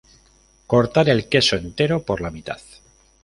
Cortar el queso entero por la mitad.